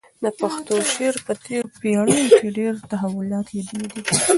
د پښتو شعر په تېرو پېړیو کې ډېر تحولات لیدلي دي.